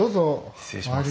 失礼します。